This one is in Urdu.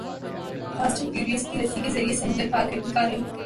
فاسٹ اینڈ فیورس کی رسی کے ذریعے سمندر پار کرتیں کاریں